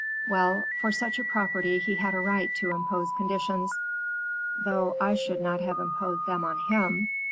Well, for such a property he had a right to impose conditions; though I should not have imposed them on him.